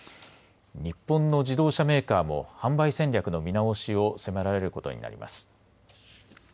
日本の自動車メーカーも販売戦略の見直しを迫られることになります。